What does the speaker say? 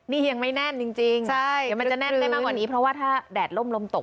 นี่ยังไม่แน่นจริงเดี๋ยวมันจะแน่นได้มากกว่านี้เพราะว่าถ้าแดดล่มลมตก